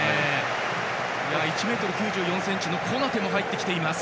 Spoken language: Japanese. １ｍ９４ｃｍのコナテも入ってきています。